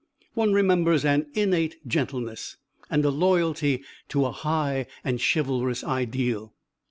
One remembers an innate gentleness, and a loyalty to a high and chivalrous ideal.